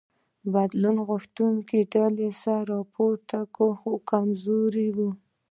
بدلون غوښتونکو ډلو سر راپورته کړ خو کمزوري وې.